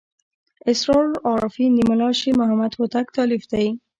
اسرار العارفین د ملا شیر محمد هوتک تألیف دی.